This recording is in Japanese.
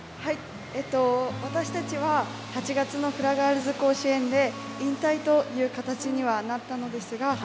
私たちは８月のフラガールズ甲子園で引退という形にはなったのですが